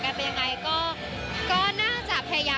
ก็ประมาณนั้นแหละค่ะ